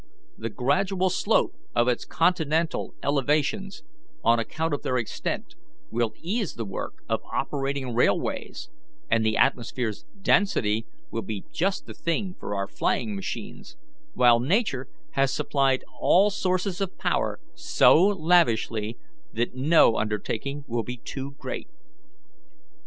The gradual slope of its continental elevations, on account of their extent, will ease the work of operating railways, and the atmosphere's density will be just the thing for our flying machines, while Nature has supplied all sources of power so lavishly that no undertaking will be too great.